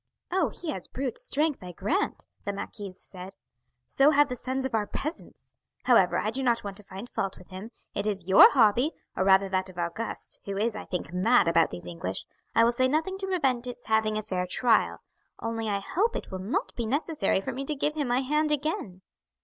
"Oh, he has brute strength, I grant," the marquise said; "so have the sons of our peasants; however, I do not want to find fault with him, it is your hobby, or rather that of Auguste, who is, I think, mad about these English; I will say nothing to prevent its having a fair trial, only I hope it will not be necessary for me to give him my hand again."